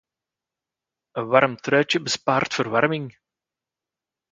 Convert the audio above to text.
Een warm truitje bespaart verwarming